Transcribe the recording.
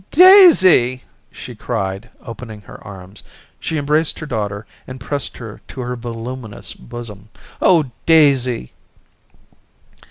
* Daisy !' she cried, opening her arms. She embraced her daughter and pressed her to her voluminous bosom. 'Oh, Daisy